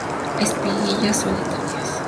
Espiguillas solitarias.